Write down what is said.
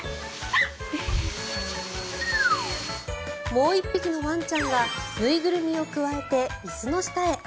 もう１匹のワンちゃんが縫いぐるみをくわえて椅子の下へ。